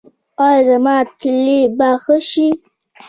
ایا زما تلي به ښه شي؟